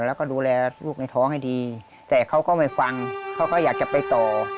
แล้วก็ดูแลลูกในท้องให้ดีแต่เขาก็ไม่ฟังเขาก็อยากจะไปต่อ